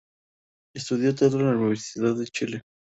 Estudió teatro en la Universidad de Chile.